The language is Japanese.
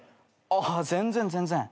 あっ全然全然。